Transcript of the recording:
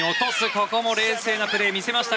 ここも冷静なプレーを見せました。